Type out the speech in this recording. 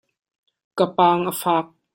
Ka paang a faak.